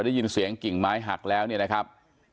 ได้ยินเสียงกิ่งไม้หักแล้วเนี่ยนะครับ